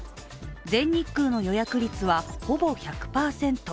全日空の予約率はほぼ１００％。